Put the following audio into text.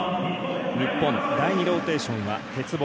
日本、第２ローテーションは鉄棒。